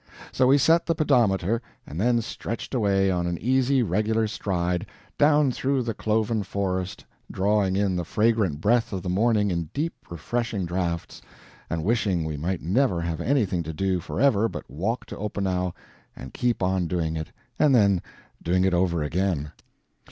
So we set the pedometer and then stretched away on an easy, regular stride, down through the cloven forest, drawing in the fragrant breath of the morning in deep refreshing draughts, and wishing we might never have anything to do forever but walk to Oppenau and keep on doing it and then doing it over again.